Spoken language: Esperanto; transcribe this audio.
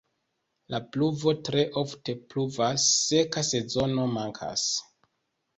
La pluvo tre ofte pluvas, seka sezono mankas.